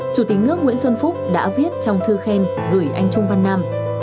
chủ tịch nước nguyễn xuân phúc đã viết trong thư khen gửi anh trung văn nam